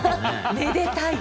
めでたい！